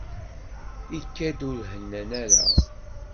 Ikad-d ur hennan ara.